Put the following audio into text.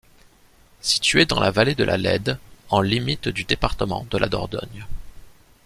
Située dans la vallée de la Lède en limite du département de la Dordogne.